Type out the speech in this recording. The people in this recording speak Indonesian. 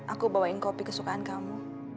aku bawain kopi kesukaan kamu